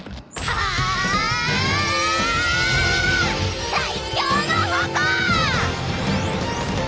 はあ！